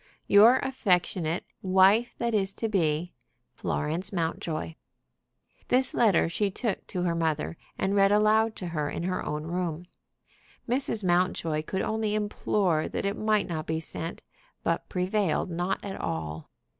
"Your affectionate wife that is to be, "FLORENCE MOUNTJOY." This letter she took to her mother, and read aloud to her in her own room. Mrs. Mountjoy could only implore that it might not be sent, but prevailed not at all.